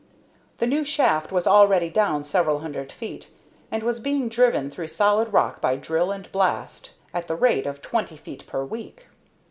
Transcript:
The new shaft was already down several hundred feet, and was being driven through solid rock by drill and blast, at the rate of twenty feet per week.